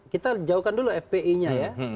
kita jauhkan dulu fpi nya ya